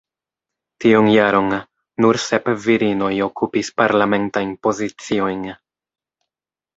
Tiun jaron, nur sep virinoj okupis parlamentajn poziciojn.